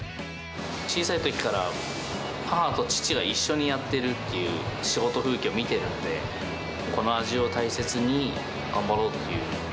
小さいときから母と父が一緒にやってるっていう仕事風景を見てるんで、この味を大切に頑張ろうっていう。